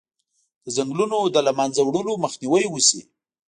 د ځنګلونو د له منځه وړلو مخنیوی وشي.